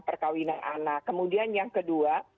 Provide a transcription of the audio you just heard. perkawinan anak kemudian yang kedua